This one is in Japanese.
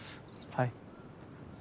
はい。